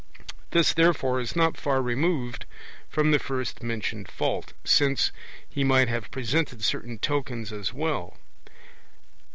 This, therefore, is not far removed from the first mentioned fault, since he might have presented certain tokens as well.